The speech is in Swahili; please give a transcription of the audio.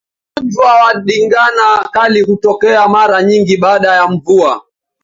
Ugonjwa wa ndigana kali hutokea mara nyingi baada ya mvua